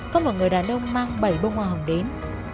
có một người đàn ông mang bảy bông hoa hồng đến